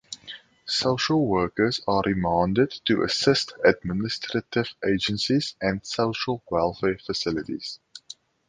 Social workers are remanded to assist administrative agencies and social welfare facilities.